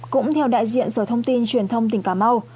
cũng theo đại diện sở thông tin truyền thông tỉnh cà mau